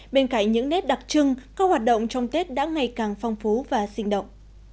bên cạnh những nét đặc trưng các hoạt động trong tết đã ngày càng phong phú và sinh động